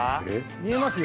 見えますよ。